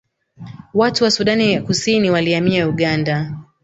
Watu wa Sudani ya Kusini walihamia Uganda